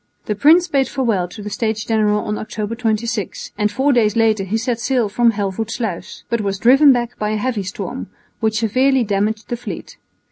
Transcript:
The prince bade farewell to the States General on October 26, and four days later he set sail from Helvoetsluis, but was driven back by a heavy storm, which severely damaged the fleet.